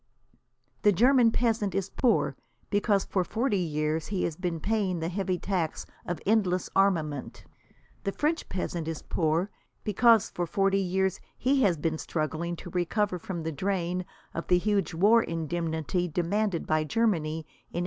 The German peasant is poor, because for forty years he has been paying the heavy tax of endless armament. The French peasant is poor, because for forty years he has been struggling to recover from the drain of the huge war indemnity demanded by Germany in 1871.